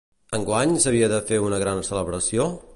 Enguany s'havia de fer una gran celebració?